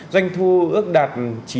doanh thu ước đạt